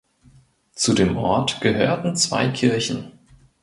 Zu dem Ort gehörten zwei Kirchen.